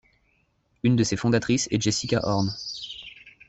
Une de ses fondatrices est Jessica Horn.